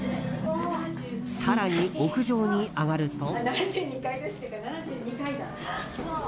更に屋上に上がると。